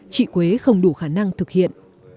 chị quế không đủ khả năng thực hiện